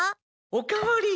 おかわり。